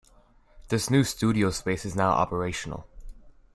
This new studio space is now operational.